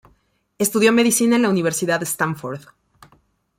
Estudió medicina en la Universidad Stanford.